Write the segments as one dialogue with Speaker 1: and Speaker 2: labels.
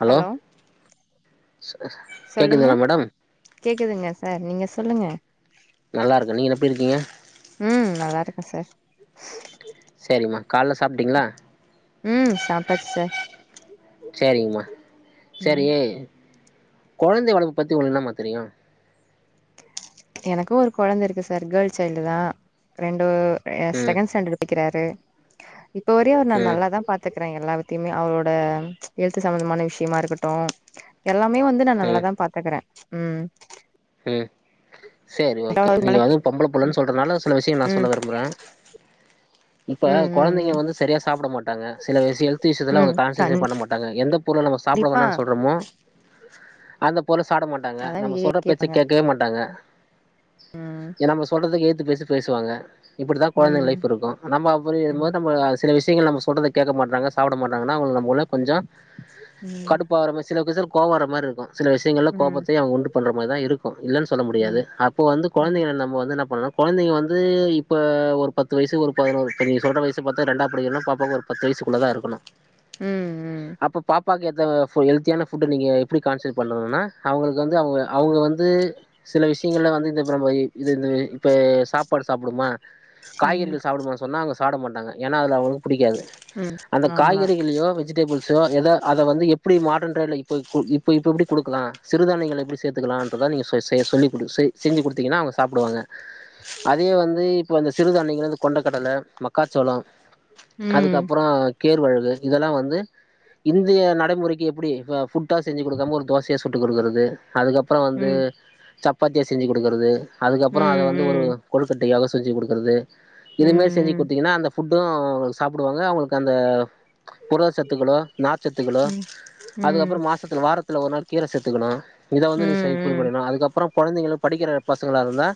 Speaker 1: Hello
Speaker 2: சொல்லுங்க
Speaker 1: கேக்குதுங்களா madam
Speaker 2: கேக்குதுங்க சார் நீங்க சொல்லுங்க
Speaker 1: நல்லாருக்க நீங்க நெ எப்டிருக்கீங்க
Speaker 2: ம் நல்லாருக்க சார்
Speaker 1: சேரிம்மா கால்ல சாப்டீங்களா
Speaker 2: ம் சாப்டாச் சார்
Speaker 1: சேரிங்கம்மா சேரி
Speaker 2: ம்
Speaker 1: கொழந்தை வளப்பு பத்தி ஒங்களுக்கென்னமா தெரியு
Speaker 2: எனக்கு ஒரு கொழந்த இருக்கு சார் கேர்ள் சைல்டு தா ரெண்டு ஏ
Speaker 1: ம்
Speaker 2: செகண்ட் ஸ்டாண்டடு படிக்கிறாரு இப்ப வரியு அவர் நா
Speaker 1: ம்
Speaker 2: நல்லாதா பாத் த்துக்கறே எல்லாத்தையுமே அவளோட எல்த்து சம்மந்தமான விஷயமா இருக்கட்டு எல்லாமே வந்து நா
Speaker 1: ம்
Speaker 2: நல்லாதா பாத்துக்கறே ம்
Speaker 1: ம் சேரி ஓகே
Speaker 2: ம்
Speaker 1: நீங்க வந்து பொம்பள புள்ளன்னு சொல்றதுனால சில விஷிய நா
Speaker 2: ம்
Speaker 1: சொல்ல விரும்புறே இப்ப
Speaker 2: ம்
Speaker 1: கொழந்தைங்க
Speaker 2: ம்
Speaker 1: வந்து சரியா சாப்ட மாட்டாங்க சில விஷி ஹெல் திஸ்ஸுஸெல்லா
Speaker 2: ம்
Speaker 1: அவங்க கான்சசே பண்ண மாட்டாங்க எந்த பொருள நம்ம சாப்ட
Speaker 2: கண்டிப்பா
Speaker 1: வேனா சொல்றோமோ அந்த பொருள சாப்ட மாட்டாங்க
Speaker 2: அதா
Speaker 1: நம்ம சொல்ற பேச்ச
Speaker 2: கேப்பாங்க
Speaker 1: கேக்கவே மாட்டாங்க
Speaker 2: ம்
Speaker 1: ஏ நாம சொல்றத்துக்கு ஏய்த்து பேசி பேசுவாங்க இப்டிதா கொழந்தைங்க
Speaker 2: ம்
Speaker 1: லைஃப் இருக்கு நம்ப அப்டி [unintelligible] சில விஷயங்கள் நம்ம சொல்றத கேக்க மாட்றாங்க சாப்ட மாட்றாங்கன்னா அவங்க நம்முளே கொஞ்சோ
Speaker 2: ம்
Speaker 1: கடுப்பாற மாரி சில [unintelligible] கோவ வரமாரி இருக்கு சில விஷயங்கள்ல
Speaker 2: ம்
Speaker 1: கோபத்தையு அவங்க உண்டு பண்ற மாரிதா இருக் கு இல்லன்னு சொல்ல
Speaker 2: ம்
Speaker 1: முடியாது
Speaker 2: ம்
Speaker 1: அப்போ வந்து கொழந்தைகள நம்ம வந்து என்னா பண்ணுனா கொழந்தைங்க வந்து இப்போ ஒரு பத்து வயசு ஒரு பதினோரு இப்ப நீங்க சொல்ற வயசு பாத்தா ரெண்டா படிக்றுனா பாப்பாக்கு ஒரு பத்து வயசுக்குள்ள தா இருக்குணு
Speaker 2: ம் ம்
Speaker 1: அப்ப பாப் பாக்கு ஏத்த ஃபு ஹெல்த்தியான ஃபுட்ட நீங்க எ எப்டி கான்சிடர் பண்ணணுனா அவுங்களுக்கு வந்து அவுங்க அவுங்க வந்து சில விஷியங்கள்ல வந்து இந்தப்றோ போயி இது இந்த இப்போ சாப்பாடு சாப்டுமா
Speaker 2: ம்
Speaker 1: காய்கறிகள் சாப்டுமா சொன்னா அவுங்க சாப்ட மாட்டாங்க ஏன்னா அதுல [inaudible] புடிக்காது
Speaker 2: ம்
Speaker 1: அந்த
Speaker 2: ஆமா
Speaker 1: காய்கறிகள்ளயோ வெஜிடபிள் ஸோ ஏதோ அத வந்து எப்டி மாடர்ன் [unintelligible] இப்ப கு இப்ப எப்ப எப்டி குடுக்கலா சிறுதானியங்கள எப்டி சேத் துக்கலான்றத நீங்க சே செய்ய சொல்லி குடு செ செஞ்சு குடுத்தீங்கன்னா அவுங்க சாப்டுவாங்க அதே வந்து இப்ப அந்த சிறுதானியங்கள்ள வந்து கொண்டக்கடல மக்காச்சோளோ
Speaker 2: ம்
Speaker 1: அதுக்கப்றோ கேர்வழுகு இதல்லா வந்து இன்திய நடைமுறைக்கு எப்டி ஃபுட்டா செஞ்சு குடுக்காம ஒரு தோசையா சுட் டு குடுக்குறது அதுக்கப்றோ வந்து
Speaker 2: ம்
Speaker 1: சப்பாத்தியா செஞ்சு குடுக்குறது
Speaker 2: ம்
Speaker 1: அதுக்கப்றோ அத வந்து ஒரு
Speaker 2: ம்
Speaker 1: கொலுக்கட்டையாவோ செஞ்சு குடுக்குறது இதேமாரி செஞ்சு
Speaker 2: ம்
Speaker 1: குடுத்தீங்கன்னா அந்த ஃபுட்டு சாப்டுவாங்க அவுங்களுக்கு அந்த புரத சத்துக்களோ நார் சத்துக்களோ
Speaker 2: ம்
Speaker 1: அதுக்கப்றோ
Speaker 2: ம்
Speaker 1: மா சத்துல வாரத்துல ஒரு நாள் கீர சேத்துக்கணு இத வந்து நீ [unintelligible]
Speaker 2: ம்
Speaker 1: பண்ணணு அதுக்கப்றோ கொழந்தைங்களு படிக்கிற பசங்களா இருந்தா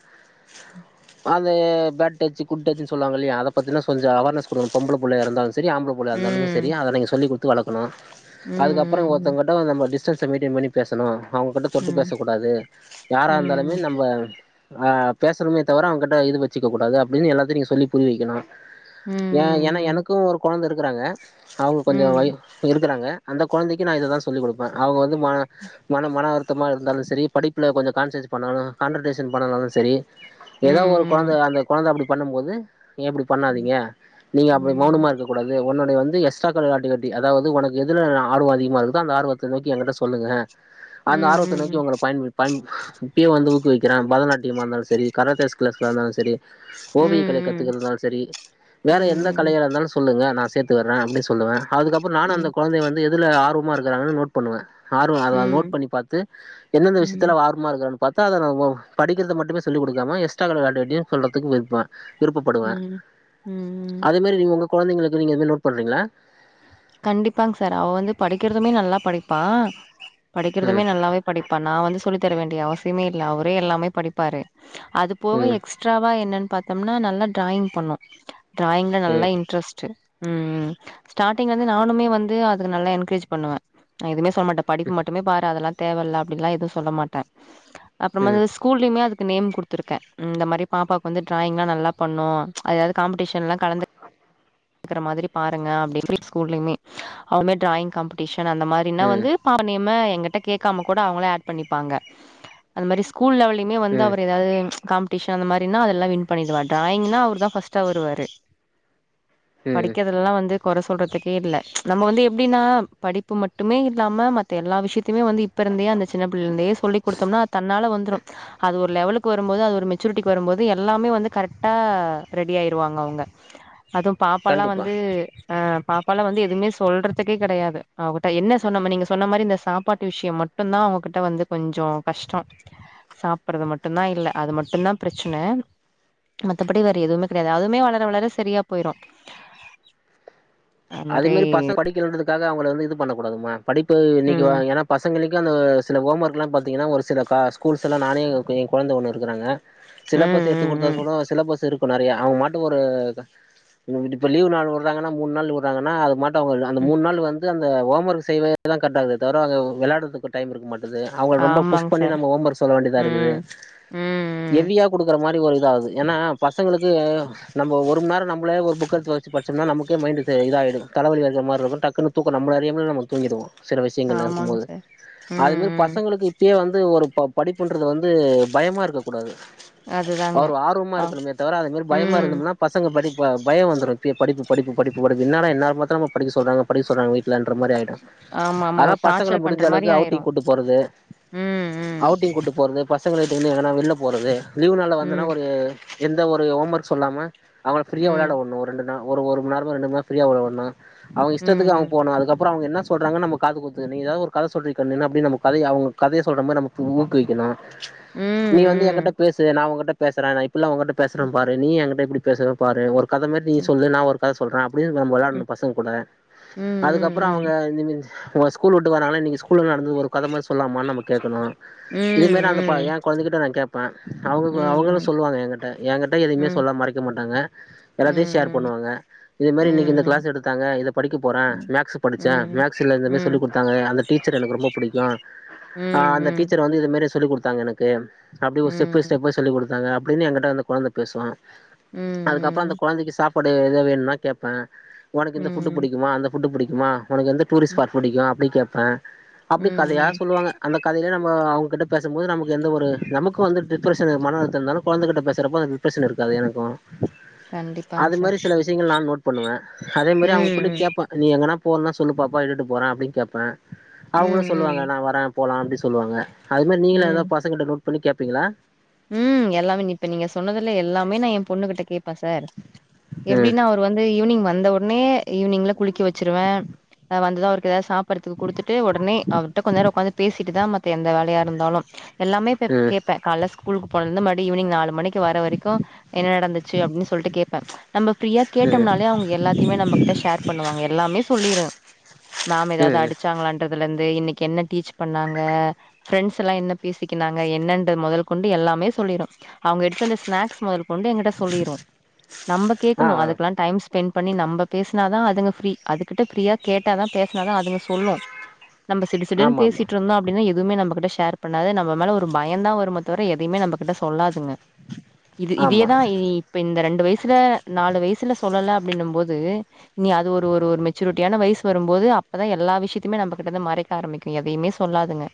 Speaker 2: ம்
Speaker 1: அது பேட் டச்சு குட் டச்சுனு சொல்லுவாங்கல்லியா அத பத்தின கொஞ்ச அவார்னஸ் குடுக்குனு பொம்பள புள்ளையா இருந்தாலு சரி ஆம்பள புள்ளய
Speaker 2: ம்
Speaker 1: இருந்தாலுமே சரி
Speaker 2: ம்
Speaker 1: அதை நீங்க சொல்லி குடுத்து வளக்கணும் அதுக்கப்றோ
Speaker 2: ம்
Speaker 1: ஒருத்தவன்கிட்ட நம்ம டிஸ்டன்ஸ் மெய்ன்டைன் பண்ணி பேசணும் அவுங்ககிட்ட
Speaker 2: ம்
Speaker 1: தொட்டு
Speaker 2: ம்
Speaker 1: பேசக்கூடாது யாரா இருந்தாலுமே
Speaker 2: ம்
Speaker 1: நம்ம ஆ பேசணுமே தவிர அவுங்ககிட்ட இது வச்சுக்க கூடாது அப்டின்னு எல்லாத்தையும் நீங்க சொல்லி புரிய வக்கணும் ஏ ஏன்னா
Speaker 2: ம்
Speaker 1: எனக்கும் ஒரு கொழந்த இருக்கிறாங்க அவங்க
Speaker 2: ம்
Speaker 1: கொஞ்சோ வை
Speaker 2: ம்
Speaker 1: இருக்குறாங்க அந்த கொழந்தைக்கு நா இததா சொல்லிக் குடுப்பேன் அவுங்க வந்து மன மன மன வருத்தமா இருந்தாலும் இருந்தாலு சரி படிப்புல கொஞ்சோம் கான்சேட் பண்ணாலும் கான்சன்டரேஷன் பண்ணாலும் சரி
Speaker 2: ம் ம்
Speaker 1: ஏதோ ஒரு
Speaker 2: ம்
Speaker 1: கொழந்த அந்த கொழந்த அப்பனடி பண்ணும் போது நீங்க அப்பனடி பண்ணாதீங்க நீங்க அப்டி மௌனமா இருக்க கூடாது ஒன்னோடயது வந்து எக்ஸ்ட்ரா களர்ஆட்டுவிட்டி அதாவது உனக்கு எதுல ஆர்வோஸஅதிகமோஇருக்குதோ அந்த ஆர்வத்தை நோக்கி என்கிட்ட சொல்லுங்க அந்த ஆர்வத்தை நோக்கி உங்கள உம் டைம் இப்பயும் வந்து ஊக்குவிக்கிறே பரதநாட்டியம்மா இருந்தாலும் சரி கராத்தே கிளாஸ்கா இருந்தாலும் சரி ஓவிய கத்துக்க இருந்தாலும் சரி வேற எந்த
Speaker 2: ம்
Speaker 1: கலயி இருந்தாலும் சொல்லுங்க நா சேத்து விடுறேன் அப்டின்னு சொல்லுவேன் அதுக்கப்புறோம்ங் நானு அந்த கொழந்தய வந்து எதுல ஆர்வமா இருக்றாங்கனு பாத்து நோட் பண்ணுவேன் ஆர்வம் அது அத நோட்
Speaker 2: ம்
Speaker 1: பண்ணி பாத்து எந்தெந்த
Speaker 2: ம்
Speaker 1: விஷயத்துல ஆர்வமா இருக்குறான் பாத்தா ஓ படிக்கிறத மட்டுமே சொல்லி குடுக்காம எஸ்ட்ரா கரிகுலர் ஆக்ட்டிவிட்டிய சொல்றதுக்கு இருப்பான் விருப்பப்படுவேன்
Speaker 2: ம்
Speaker 1: அதே மாதிரி நீங்க உங்க கொழந்தைங்களுக்கு நீங்க நோட் பண்றீங்களா
Speaker 2: கண்டிப்பாங் சார் அவ வந்து படிக்கிறதுமே நல்லா படிப்பா படிக்கிறதுமே
Speaker 1: ம்
Speaker 2: நல்லாவே படிப்பா நா வந்து சொல்லித்தர வேண்டிய அவசியமே இல்ல அவரே எல்லாமே படிப்பாரு அது போக
Speaker 1: ம்
Speaker 2: எக்ஸ்ட் எஸ்ட்ராவா என்னன்னு பாத்தோம்னா நல்லா டிராயிங் பண்ணு டிராயிங்ல நல்லா
Speaker 1: ம்
Speaker 2: இன்ட்ரஸ்ட் உம் உம் ஸ்டார்ட்டிங்ல வந்து நானுமே வந்து அதுக்கு நல்லா என்கரேஜ் பண்ணுவே நா எதுமே சொல்ல மாட்டே படிப்பு மட்டுமே பாரு அதெல்லாம் தேவ இல்ல அப்டில்லா எதுவும் சொல்ல மாட்டே அப்றமா
Speaker 1: ம்
Speaker 2: வந்து ஸ்கூல்லயுமே அதுக்கு நேம் குடுத்துருகேன் இந்த மாரி பாப்பாக்கு வந்து டிராயிங்லாம் நல்லா பண்ணும் அதாவது காம்பட்டஷன்லாம் கலந்து இருக்கற மாதிரி பாருங்க அப்டி [unintelligible] ஸ்கூல்லயுமே அவளுமே டிராயிங் காம்படிஷன் அந்த மாரின்னா
Speaker 1: ம்
Speaker 2: வந்து பாப்பா நேம்ம எங்கட்ட கேக்காம கூட அவுங்களே ஆட் பண்ணிப்பாங்க அது மாரி ஸ்கூல் லெவெலுமே வந்து
Speaker 1: ம்
Speaker 2: அவர் எதாவது காம்ப் ஷம் அந்த மாரினா அதொல்லா வின் பண்ணிடுவாரு ட்ராயிங்னா அவர் தா ஃபஸ்ட் வருவாரு
Speaker 1: ம்
Speaker 2: படிக்கிறதுல்லாம் வந்து கொற சொல்றதுக்கே இல்ல நம்ம வந்து எப்டின்னா படிப்பு மட்டுமே இல்லாம மத்த எல்லா விஷயத்த தயமே வந்து இப்பர்ந்தே அந்த சின்ன புள்ளர்ந்தே சொல்லி குடுத்தோம்னா அது தன்னால வந்துடும் அது ஒரு லெவலுக்கு வரும்போது அது ஒரு மெச்சூரிட்டிக்கு வரும்போது எல்லாமே வந்து கரெக்டா ரெடி ஆயிருவாங்க அவுங்க பாப்பால்லா
Speaker 1: கண்டிப்பா
Speaker 2: வந்து ஆ பாப்பாலாம் வந்து எதுவுமே சொல்றதுக்கே கெடையாது அவட்ட என்ன சொன்ன நீங்க சொன்ன மாரி இந்த சாப்பாட்டு விஷ்யோம் மட்டும் மட்டும்தான் அவுங்ககிட்ட வந்து கொஞ்சோ கஷ்டோ சாப்றது மட்டும் தா இல்ல அது மட்டும் தாபிரச்சனை மத்தபடி வேற எதுமே கெடையாது அதுமே வளர வளர சரியா போயிடும்
Speaker 1: அதே மாரி பசங்க படிக்கலன்றதுக்காக அவுங்கள வந்து இது பண்ண கூடாது மேம் படிப்பு இன்னைக்கு வா
Speaker 2: ம்
Speaker 1: ஏன்னா பசங்களுக்கும் அந்த சில ஹோம் ஒர்க்கெலாம் பாத்திங்கன்னா ஒரு சில கா ஸ்கூல்ஸ் எல்லாம் நானே என் கொழந்த ஒன்னு இருக்குறாங்க
Speaker 2: ம்
Speaker 1: சிலபஸ் எடுத்து
Speaker 2: ம்
Speaker 1: கொடுத்தா
Speaker 2: ம்
Speaker 1: கூடோ சிலபஸ் இருக்கு கும் நெறையா அவுங்க மாட்டும் ஒரு இப்ப லீவ் நாள் விடுறாங்கன்னா கூட மூணு நாள் விடுறாங்கன்னா அது மட்டும் அவங்க அந்த
Speaker 2: ம்
Speaker 1: மூணு நாள் வந்து அந்த ஹோம் ஒர்க் செய்வே தா கரெக்டா இருந்ததே தவிர வெளையாறதுக்கு டைம் இருக்க மாட் டுது அவுங்கள ரொம்ப புஷ்
Speaker 2: ஆமாங்க
Speaker 1: பண்ணி
Speaker 2: சார்
Speaker 1: நம்ம ஹோம் ஒர்க் சொல்ல வேண்டியதா இருக்குது
Speaker 2: ம் ம் ம்
Speaker 1: எவியா குடுக்குற மாரி ஒரு இதாகுது ஏன்னா பசங்களுக்கு நம்ம ஒருமண் நேரம் நம்மளே ஒரு புக்கெடுத்து வச்சு படிச்சம்னா நம்மளே மைண்ட்க் இத ஆயிடும் தலைவலி வந்த மாரி இருக்கும் டக்குனு தூக்கம் நம்மள அறியாமலே நம தூங்கிடுவோ சில விஷயங்கள் இருக்கும்
Speaker 2: ஆமாங்க
Speaker 1: போது
Speaker 2: சார்
Speaker 1: அது
Speaker 2: ம்
Speaker 1: மாரி
Speaker 2: ம்
Speaker 1: பசங்களுக்கு இப் இப்பயே வந்து ஒரு படிப்புண்றது வந்து பயமா இருக்க கூடாது
Speaker 2: அதுதாங்க
Speaker 1: அவரு ஆர்வமா
Speaker 2: ஆ
Speaker 1: இருக்குணுமே தவிர அது மேரி பயமா
Speaker 2: ம்
Speaker 1: இருந்தோம்னா பசங்க படி பயோ வந்துரு இப்பயே படிப்பு படிப்பு படிப்பு படிப்பு என்னடா என்னாரோ பாத்தாலு படிக்க சொல்றாங்க படிக்க சொல்றாங்க இல்லன்ற மாரி ஆயிடு
Speaker 2: ஆமா ஆமா
Speaker 1: ஆனா
Speaker 2: ஒரு
Speaker 1: பசங்கள
Speaker 2: டார்ச்சல் பண்ற
Speaker 1: முடிஞ்ச
Speaker 2: மாரி
Speaker 1: அளவுக்கு
Speaker 2: ஆயிரு
Speaker 1: அவுட்டிங் கூட்டு போறது
Speaker 2: ம் ம்
Speaker 1: அவுட்டிங் கூட்டு போறது பசங்கள ஈத்துங்குன்னு எங்கன்னா வெள்ல போறது லீவுனால் வந்தன்னா
Speaker 2: ம்
Speaker 1: ஒரு எந்த ஒரு ஹோம் ஒர்க் சொல்லாம அவர ஃப்ரீயா
Speaker 2: ம்
Speaker 1: விளாடவுடணு ரெண்டுனா ஒரு ஒரு மண் நேரோமோ ரெண்டு மண் நேரமோ ஃப்ரீ விளாடவுடனு அவுங்க
Speaker 2: ம்
Speaker 1: இஷ்டத்துக்கு
Speaker 2: ம்
Speaker 1: அவுங்க போனு அதுக்கப் அப்றோ அவுங்க என்ன சொல்றாகாங்கன்னு நம் காது குத்து நீ எதாவுது கத சொல்றிகண்ணு என்ன அப்டின் நம்ம கதைய அவுங்க கதைய சொல்ற மாரி நம்ம ஊக்குவிக்குணு
Speaker 2: ம்
Speaker 1: நீ வந்து எங்கிட்ட பேசு நா உங்கிட்ட பேசுற நா இப்பில்லா ஒங்கிட்ட பேசுற
Speaker 2: ம்
Speaker 1: பாரு நீ எனங்கிட்ட எப்டி பேசுற பாரு ஒரு கதைமேரி நீ
Speaker 2: ம்
Speaker 1: சொல்லு நா ஒர் கத சொல்ற அப்டின்னு
Speaker 2: ம்
Speaker 1: வெளயாடணு பசங்க கூட அதுக்
Speaker 2: ம்
Speaker 1: அதுக்கப்றோ அவுங்க
Speaker 2: ம்
Speaker 1: இஞ்சினியரிங் ஓ ஸ்கூல் விட்டு வராங்கள இன்னக்கி ஸ்கூல்ல என்ன நடந்துது ஒரு கதமேரி நம்ம சொல்லாமான்னு நம்ம கேக்குணு
Speaker 2: ம்
Speaker 1: இதுமாரி அந்த
Speaker 2: ம்
Speaker 1: ஏ கொழந்தைக்கிட்ட நா கேட்பே அவுங்க அவங்களு
Speaker 2: ம்
Speaker 1: சொல்லுவாங்க என்கிட்ட என்கிட்ட
Speaker 2: ம்
Speaker 1: எதுமே
Speaker 2: ம்
Speaker 1: சொல்ல மறைக்க மாட்டாங்க எல்லாத்தையு ஷேர்
Speaker 2: ம்
Speaker 1: பண்ணுவாங்க
Speaker 2: ம்
Speaker 1: இதேமாரி இன்றனைக்கு இந்த
Speaker 2: ம்
Speaker 1: கிளாஸ் எடுத்தா இதை படிக்க போகிறே மேக்ஸ் படித்தேன்
Speaker 2: ம்
Speaker 1: மேக்ஸில் இந்த
Speaker 2: ம்
Speaker 1: மாாரி சொல்லி
Speaker 2: ம்
Speaker 1: கொடுத்த த்தாங்க அந்த டீச்சர் எனக்கு ரொம்ப புடிக்கு ஆ அந்த
Speaker 2: ம்
Speaker 1: டீச்சர் வந்து இது மேரி சொல்லிக் குடுத்தாங்க எனக்கு அப்டி
Speaker 2: ம்
Speaker 1: ஒரு ஸ்டெப் பை
Speaker 2: ம்
Speaker 1: ஸ்டெப்பா சொல்லி குடுத்தாங்க அப்டின்னு எங்கிட்ட அந்த கொழந்த பேசுவ
Speaker 2: ம்
Speaker 1: அதுக்கப்றோ அந்த கொழந்தைக்கு சாப்பாடு எதா வேணுனா கேப்ப ஒனக்கு
Speaker 2: ம்
Speaker 1: இந்த ஃபுட்டு
Speaker 2: ம்
Speaker 1: புடிக்குமா அந்த ஃபுட்டு புடிக்குமா ஒனக்கு எந்த டூரிஸ்ட்
Speaker 2: ம்
Speaker 1: ஸ்பாட் புடிக்கு அப்டி கேப்ப அப்டி கதயா
Speaker 2: ம்
Speaker 1: சொல்லுவாங்க அந்த கதையிலே நம்ம அவுங்க கிட்ட பேசும்போது நமக்கு எந்த ஒரு நமக்கு வந்து டிப்ரேஷன் மன அலுத்தோ இருந்தாலு கொழந்தக்கிட்ட பேசுகிறப்போது டிப்ரேஷன் இருக்காது எனக்கு
Speaker 2: கண்டிப்பாங் சார்
Speaker 1: நா நோட் பண்ணுவ அதே மாரி அவுங்ககுள்ள
Speaker 2: ம்
Speaker 1: கேப்ப நீ எங்னா போனுனா சொல்லு பாப்பா இட்டுட்டு போற அப்டின்னு கேப்ப
Speaker 2: ம் ம்
Speaker 1: அவுங்களு
Speaker 2: ம்
Speaker 1: சொல்லுவாங்க நா வரே போலா அப்டின் சொல்லுவாங்க அது மாரி நீங்களு
Speaker 2: ம்
Speaker 1: எதாவுது பசங்க கிட்ட நோட் பண்ணி கேப்பீங்ளா
Speaker 2: ம் எல்லாமே இப்ப நீங்க சொன்னதுல எல்லாமே நா ஏ பொண்ணு கிட்ட கேப்ப சார்
Speaker 1: ம்
Speaker 2: எப்டின்னா ஒர் இவுரு வந்து ஈவினிங் வந்த ஒன்னே ஈவினிங்ல குளிக்க வச்சிருவ நா வந்துதா அவுருக்கு எதாவுது சாப் பறதுக்கு குடுத்துட்டு ஒடனே அவர்ட்ட கொஞ்சோ நேரோ உக்காந்து பேசிட்டுதா மத்த எந்த வேலயா இருந்தாலு எல்லாமே பெப்
Speaker 1: ம்
Speaker 2: கேப்ப கால்ல ஸ்கூலு போனதுந்துல இருந்து மறுபிடி ஈவினிங் நாலு மணிக்கு வர வரைக்கு என்ன நடந்துச்சு அப்டின்னு சொல்ட்டு கேப்ப நம்ம ஃப்ரீயா
Speaker 1: ம்
Speaker 2: கேட்டோம்னாலே அவுங்க எல்லாத்தியுமே நம்ம கிட்ட ஷேர் பண்ணுவாங்க எல்லாமே சொல்லிரு மேம் எதாவுது
Speaker 1: ம்
Speaker 2: அடிச்சாங்களான் ன்றதுல இருந்து இன்னக்கி என்ன டீச் பண்ணாங்க ஃப்ரெண்ட்ஸ் எல்லா என்ன பேசிகீனாங்க என்னன்ற மொதல் கொண்டி எல்லாமே சொல்லிரு அவுங்க எடுத்துட்டு வந்த ஸ்நாக்ஸ் மொதல் கொண்டு எங்கிட்ட சொல்லிரு நம்ம
Speaker 1: ஆ
Speaker 2: கேக்குணு
Speaker 1: ஆ
Speaker 2: அதுகெல்லா டைம்ஸ் ஸ்பெண்ட் பண்ணி நம்ம பேசினாதா அதுங்க ஃப்ரீ அதுகிட்ட ஃப்ரீயா கேட்டாதா பேசினாதா அதுங்க சொல்லு நம்ம சிடு சடுனு
Speaker 1: ஆமா ஆமா
Speaker 2: பேசிட்டு இருந்தோ அப்டின்னா எதுமே நம்மகிட்ட ஷேர் பண்ணாது நம்ம மேல ஒரு பயோ தா வருமோ தவிர எதையுமே நம்ம கிட்ட சொல்லாதுங்க இது
Speaker 1: ஆமா
Speaker 2: இதேதா இ இப்ப இந்த ரெண்டு வயசுல நாலு வயசுல சொல்லல அப்டின்னு போது நீ அது ஒரு ஒரு ஒரு மெச்சூரிட்டியான வயசு வரும்போது அப்பதா எல்லா விஷியத்தையமே நம்ம கிட்ட இருந்து மறைக் க ஆரம்பிக்கு எதையுமே சொல்லாதுங்க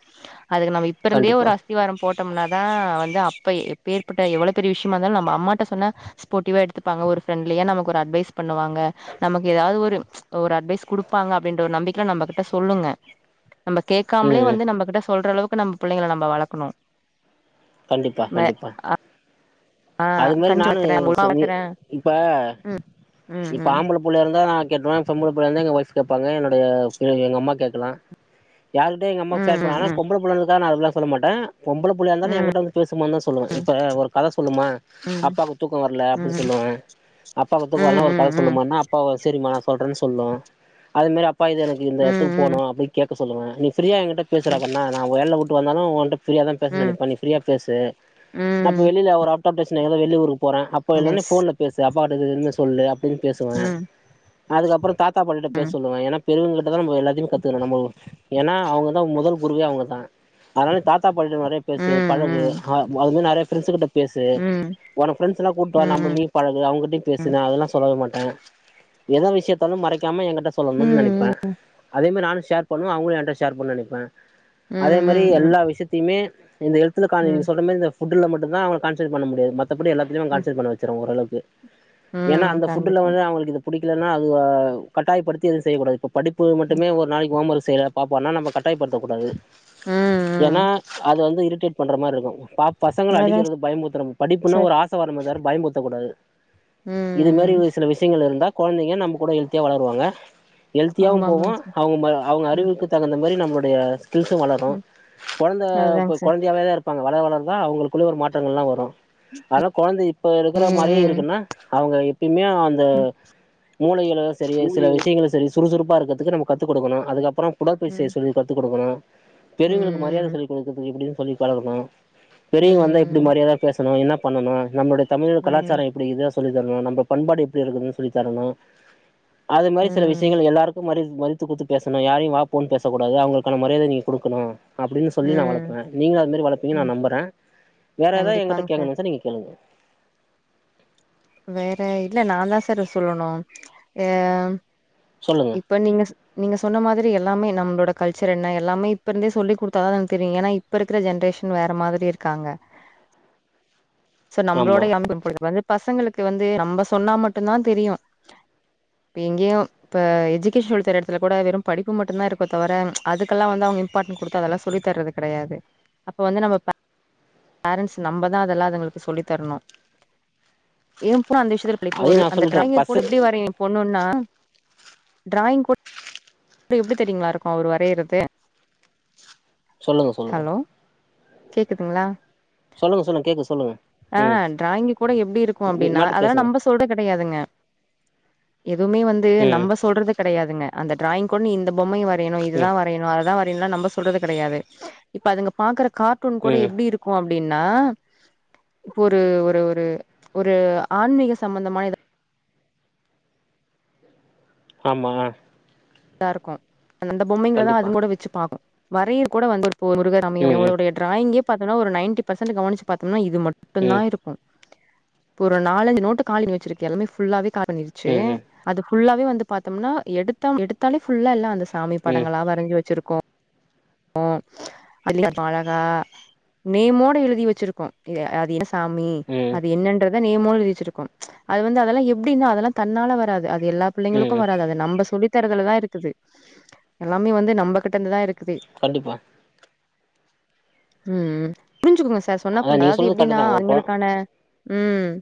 Speaker 2: அதுக்கு நம்ம இப்ப இருந்தே
Speaker 1: கண்டிப்பா
Speaker 2: ஒரு அஸ்திவாரோ போட்டோம்ன்னா தா வந்து அப்ப எப்பேற்பட்ட எவ்ளோ பெரிய விஷியமா இருந்தாலு நம்ம அம்மாட்ட சொன்னா ஸ்போடிவா எடுத் துப்பாங்க ஒரு ஃப்ரெண்லியா நமக்கு ஒரு அட்வைஸ் பண்ணுவாங்க நமக்கு எதாவுது ஒரு ஒரு அட்வைஸ் குடுப்பாங்க அப்டின்ற ஒரு நம்பிக்கைல நம்மக் கிட்ட சொல்லுங்க நம்ம கேக்காமலே
Speaker 1: ம்
Speaker 2: வந்து நம்ம கிட்ட சொல்ற அளவுக்கு நம்ம பிள்ளைங்கள நம்ப வளக்கணு
Speaker 1: கண்டிப்பா
Speaker 2: மே
Speaker 1: கண்டிப்பா
Speaker 2: ஆ
Speaker 1: அது மாரி
Speaker 2: கஞ்சி
Speaker 1: நானு
Speaker 2: வக்கிறே உப்மா
Speaker 1: சொல்லி
Speaker 2: வக்கிறே
Speaker 1: இப்ப
Speaker 2: ம் ம்
Speaker 1: இப்ப
Speaker 2: ம்
Speaker 1: ஆம்பளப் புள்ள இருந்தா நா கேட்ருவே பொம்பளப்புள்ள இருந்தா எங்க ஒய்ஃப் கேப்பாங்க என்னோடைய ஃபி எங்க அம்மா கேக்கலா யாருக்கிட்டயு எங்க அம்மா ஷேர் பண்ணாது ஆனா
Speaker 2: ம்
Speaker 1: பொம்பளப்பிள்ளன்றதுக்காக நா அப்டிலா சொல்ல மாட்டே பொம்பளப் புள்ளயா இருந்தாலு
Speaker 2: ம்
Speaker 1: ஏங்கிட்ட வந்து பேசுமான்தா சொல்லு இப்ப ஒரு கத சொல்லுமா
Speaker 2: ம்
Speaker 1: அப்பாக்கு தூக்க வர்ல
Speaker 2: ம்
Speaker 1: அப்டின்
Speaker 2: ம்
Speaker 1: சொல்லுவே அப்பாக்கு
Speaker 2: ம்
Speaker 1: தூக்கவர்லனா ஒரு கத
Speaker 2: ம்
Speaker 1: சொல்லுமான் னா அப்போ சேரிமா நா சொல்றேன் சொல்லு அதே மாரி அப்பா இது எனக்கு இந்த
Speaker 2: ம்
Speaker 1: எடத்துக்கு
Speaker 2: ம்
Speaker 1: போனு அப்டின் கேக் இப்ப சொல்லுங்க நீீ ஃப்ரீயா எங்கிட்ட
Speaker 2: ம்
Speaker 1: பேசுறவன்னா நா வேல விட்டு வந்தாலு ஒன்ட்ட ஃப்ரீயா தா பேச
Speaker 2: ம்
Speaker 1: நெனைப்ப நீ ஃப்ரியா பேசு அப்ப
Speaker 2: ம்
Speaker 1: வெளில ஒரு அவுட் ஆஃப் டேஷன் எங்கனா வெளி ஊருக்கு போறே
Speaker 2: ம்
Speaker 1: அப்பயெல்லா நீ
Speaker 2: எஸ்
Speaker 1: ஃபோன்ல பேசு அப்பாட்ட இது இதுன்னு சொல்லு அப்டின் பேசுவே
Speaker 2: ம்
Speaker 1: அதுக்கப்பற தாத்தா பாட்டிட்ட பேச
Speaker 2: ம்
Speaker 1: சொல்லுவே ஏனா பெரியவ்ங்க கிட்ட தா நம்ம எல்லாத்தையு கத்துக்கணு நம்ம ஏனா அவ்ங்க தா மொதல் குருவே அவ்ங்க தா அதனால தாத் தாத்தா மாட்டிட்ட நெறைய பேசு
Speaker 2: ம்
Speaker 1: பழகு
Speaker 2: ம்
Speaker 1: அ அது மாரி நெறையா ஃப்ரெண்ட்ஸுக் கிட்ட பேசு
Speaker 2: ம்
Speaker 1: ஒனக்கு ஃப்ரெண்ட்ஸெல்லா கூட்டு வா நம்பள்
Speaker 2: ம்
Speaker 1: வீ பழகு அவ்ங்கட்டயு பேசு நா அதெல்லா சொல்லவே மாட்டேங்க எதோ விஷ்யத்த வந்து மறைக்காம எங்கிட்ட சொ
Speaker 2: ம்
Speaker 1: சொல்லணுன்
Speaker 2: ம்
Speaker 1: நெனைப்பே அதே மாரி நானு ஷேர் பண்ணுவே அவுங்களு என்ட்ட ஷேர் பண்ணுன் நெனைப்பே
Speaker 2: ம்
Speaker 1: அதே மாரி
Speaker 2: ம் ம்
Speaker 1: எல்லா விஷ்யத்தைமே இந்த எட்த்துல கானா
Speaker 2: ம்
Speaker 1: நீங்க சொல்ற மாரி இந்த் ஃபுட்டுல மட்டுந்தா அவ்ங்கள கான்ச ன்ரேட் பண்ண முடியாது மத்தபடி எல்லாத்லயுமே அவ்ங்க
Speaker 2: ம்
Speaker 1: கான்ஸ்ரேட் பண்ண வெச்சுருவே ஓரளவுக்கு ஏனா
Speaker 2: ம்.
Speaker 1: அந்த ஃபுட்டுல
Speaker 2: கண்டிப்பா
Speaker 1: வந்து அவ்ங்களுக்கு இது புடிக்கலனா அது அ கட்டாயப்படுத்தி எது செய்யக்கூடாது இப்ப படிப்பு
Speaker 2: ம்
Speaker 1: மட்டுமே ஒரு நாளைக்கு ஹோம் வொர்க் செய்யல பாப்போனா நம்ம கட்டாயப்படுத்தக்கூடாது
Speaker 2: ம்
Speaker 1: ஏனா
Speaker 2: ம்
Speaker 1: அது வந்து இரிட்டேட் பண்ற மார்ருக்கு ப பசங்கள
Speaker 2: அதாங்
Speaker 1: அடிக்கிறது பயமுருத்துறது படிப்புனா
Speaker 2: சார்
Speaker 1: ஒரு ஆச வரணு தவிர பயமுருத்தக்கூடாது இது மாரி
Speaker 2: ம் ம்
Speaker 1: ஒரு சில விஷ்யங்கள் இருந்தா கொழந்தைங்க நம்ம கூட ஹெல்த்தியா வளருவாங்க ஹெல்த்தியாகவு
Speaker 2: ஆமா
Speaker 1: போவோ
Speaker 2: ஆமாங்க சார்
Speaker 1: அவ்ங்க ம அவ்ங்க
Speaker 2: ம்
Speaker 1: அறிவுக்கு தகுந்த மாரி நம்ளுடைய சிறுசு வளரு
Speaker 2: ம்
Speaker 1: கொழந்த
Speaker 2: அதுதாங்க
Speaker 1: இப்ப
Speaker 2: சார்
Speaker 1: கொழந்தையாவே தா இருப்பாங்க வளர வளரதா அவ்ங்களுக்குள்ள. ஒரு மாற்றங்கள்லா வரு ஆனா கொழந்த இப்ப இருக்கிற மாரியே
Speaker 2: ம்
Speaker 1: இருக்குன்னா அவ்ங்க எப்பயுமே அந் இந்த
Speaker 2: ம் ம்
Speaker 1: மூளைகளு சேரி சில
Speaker 2: ஊழியர்.
Speaker 1: விஷ்யங்களு சேரி சுறுசுறுப்பா இருக்கிறதுக்கு நம்ம கத்துக் குடுக்கணு அதுக்கப்பறோ உடற்பயற்சி
Speaker 2: ம்
Speaker 1: செய்ய சொல்லி கத்து குடுக்கணு பெரியவ்ங்களுக்கு மரியாத
Speaker 2: ம்
Speaker 1: சொல்லிக் குடுக்குறதுக்கு எப்டின் சொல்லி பழகணு பெரியவ்ங்க வந்தா எப்டி
Speaker 2: ம்
Speaker 1: மரியாதயா பேசணு என்ன பண்ணனு நம்மளுடைய தமிழ்
Speaker 2: ம்
Speaker 1: கலாச்சார எப்டி இத சொல்லித்தரணு நம்ப பண்பாடு எப்டி இருக்கனுன் சொல்லித்தரணு அது மாரி சில
Speaker 2: ம்
Speaker 1: விஷ்யங்கள் எல்லாருக்கு மாரி இது மாரி குட்த்து குட்த்து பேசணு யாரையு வா போணு பேசக்கூடாது அவ்ங்களுக்கான மரியாத நீங்க குடுக்கணு அப்டினு சொல்லி நா
Speaker 2: ம்
Speaker 1: வளப்பே நீங்களு அது மாரி வளப்பீங்கன்
Speaker 2: ம்
Speaker 1: நா நம்புறே வேற எதா எங்கிட்ட
Speaker 2: கண்டிப்பாங்க
Speaker 1: கேக்கணு
Speaker 2: சார்
Speaker 1: நெனச்சா நீங்க கேளுங்க
Speaker 2: வேற இல்ல நாந்தா சார் சொல்லணு அ
Speaker 1: சொல்லுங்க
Speaker 2: இப்ப நீங்க நீங்க சொன்ன மாதிரி எல்லாமே நம்பளோட கல்ச்சர் என்ன எல்லாமே இப்ப இருந்தே சொல்லி குடுத்தாதான எனக்கு தெரியு ஏனா இப் இப்ப இருக்கிற ஜென்ரேஷன் வேற மாதிரி இருக்காங்க சார்
Speaker 1: ஆமா
Speaker 2: நம்மளோடே கம்பேர் பண்ணும் போது பசங்களுக் கு வந்து நம்ப சொன்னா மட்டுந்தா தெரியு இப்ப எங்கயு இப்ப எஜுகேஷன் சொல்லித்தர எடத்துல கூட வெறும் படிப்பு மட்டு்ந்தா இருக்கு தவர அதுக்கெல்லா வந்து அவ்ங்க இம்பார்டன்ட் குடுத்து அதெல்லா சொல்லி தர்றது கெடையாது அப்ப வந்து நம்ம பே பேரண்ட்ஸ் நம்ப தா அதெல்லா அதுங்களுக்கு சொல்லித்தரணு ஏ பொண்ணு அந்த விஷ்யத்துல லைக்
Speaker 1: அதையு
Speaker 2: ஒரு
Speaker 1: நா
Speaker 2: அந்த
Speaker 1: சொல்லிட்டே
Speaker 2: டிராயிங்க
Speaker 1: பசு
Speaker 2: கூட எப்டி வரயு எ பொண்ணுன்னா டிராயிங் கூட எப்டி எப்டி தெரியுங்ளா இருக்கு அவரு வரையுறது
Speaker 1: சொல்லுங்க சொல்லுங்க
Speaker 2: கேக்குதுங்ளா
Speaker 1: சொல்லுங்க சொல்லுங்க கேக்குது சொல்லுங்க
Speaker 2: ஆ
Speaker 1: ம்
Speaker 2: டிராயிங்கு கூட எப்டி இருக்கு
Speaker 1: நீங்க
Speaker 2: அப்டின்னா
Speaker 1: மாட்டு
Speaker 2: அதெல்லா
Speaker 1: பேசுங்க
Speaker 2: நம்ப சொல்ற கெடையாதுங்க எதுவுமே வந்து
Speaker 1: ம்
Speaker 2: நம்ம சொல்றதுக் கெடையாதுங்க அந்த டிராயிங் கொண் இந்த பொம்மையு வறையணு இதுதா
Speaker 1: ம்
Speaker 2: வ றையனு அதுதா வறையனுன்லா நம்ம சொல்றது கெடையாது இப்ப அதுங்க பாக்குற கார்ட்டூன் கூட
Speaker 1: ம்
Speaker 2: எப்டி இருக் கு அப்டின்னா இப்ப ஒரு ஒரு ஒரு ஒரு ஆன்மீக சம்பந்தமான எதா
Speaker 1: ஆமா
Speaker 2: இதா இருக்கு அந்த பொம்மைங்களதா
Speaker 1: கண்டிப்பா
Speaker 2: அதுங் கூட வச்சு பாக்கு வரைய கூட வந்து ஒரு முருகர் பொ சாமி
Speaker 1: ம் ம்
Speaker 2: அவரோடைய டிராயிங்கே பாத்தனா ஒரு நயன்ட்டி பர்சன்ட் கவனிச் பாத்தனா இது மட்டுந்தா
Speaker 1: ம்
Speaker 2: இருக் கு இப்போ ஒரு நாலஞ்சு நோட்டு காலி பணி வச்சிருக்கு எல்லாமே ஃபுல்லாவே காலி பண்ணிடுச்சு
Speaker 1: ம் ம்
Speaker 2: அது ஃபுல்லாவே வந்து பாத்தோம்னா எடுத்தா எடுத்தாலே ஃபுல்லா எல்லா அந்த சாமி
Speaker 1: ம்
Speaker 2: படங்களா வரைஞ்சு வச்சிருக்கு கு அதி [inaudible] அழகா நேமோட எழுதி வச்சிருக்கும் அது எந் சாமி
Speaker 1: ம்
Speaker 2: அது என்னன்றத நேமோட எழுதி வச்சுருக்கும் அது வந்து அதெல்லா எப்டின் அதெல்லா தன்னால வராது அது எல்லா புள்ளைங்களுக்கும்
Speaker 1: ம்
Speaker 2: வராது அது நம்ப சொல்லி தரதுல தா இருக்குது எல்லாமே வந்து நம்ப கிட்டந்து தா இருக்குது
Speaker 1: கண்டிப்பா
Speaker 2: ம் புரிஞ்சுக்குங்க சார் சொன்னா
Speaker 1: அதா
Speaker 2: புரிஞ்சு
Speaker 1: நீங்க
Speaker 2: அதாது
Speaker 1: சொல்றது கரெக்ட்
Speaker 2: எப்டின்னா
Speaker 1: தா ஒரு கொ
Speaker 2: அதுங்களுக்கான ம்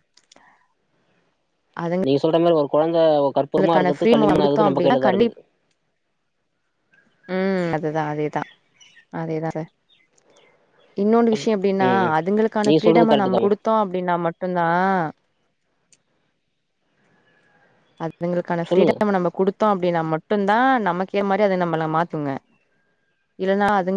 Speaker 2: அதுங்
Speaker 1: நீங்க சொல்ற மாரி ஒரு கொழந்த ஒ கற்பூரமா இருக்கத்து
Speaker 2: ஃப்ரீடம்
Speaker 1: களிமண்ணா
Speaker 2: குடுத்தோ
Speaker 1: ஆகுது நம்ப
Speaker 2: அப்டின்னா
Speaker 1: கையில தா
Speaker 2: கண்டி
Speaker 1: இருக்குது
Speaker 2: ம் அதுதா அதேதா அதேதா சார் இன்னோன்டு விஷயோ எப்டின்னா
Speaker 1: ம் ம்
Speaker 2: அதுங்களுக்கான
Speaker 1: நீங்க சொல்றது
Speaker 2: ஃப்ரீடம
Speaker 1: கரெக்ட்
Speaker 2: நாம
Speaker 1: தாம்மா
Speaker 2: குடுத்தோ அப்டின்னா மட்டுந்தா அதுங்களுக்கான
Speaker 1: சொல்லுங்க
Speaker 2: ஃப்ரீடம நம்ம குடுத் தோ அப்டின்னா மட்டுந்தா நமக்கே மாரி அத நம்மள மாத்துங்க இல்லன்னா அது